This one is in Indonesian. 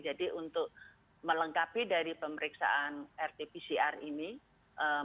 jadi untuk melengkapi dari pemeriksaan rt pcr ini kita harus melakukan produksi sendiri